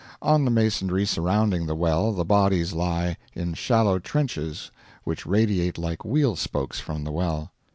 On the masonry surrounding the well the bodies lie, in shallow trenches which radiate like wheel spokes from the well.